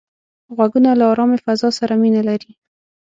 غوږونه له آرامې فضا سره مینه لري